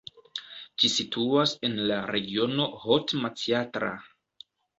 Ĝi situas en la regiono Haute-Matsiatra.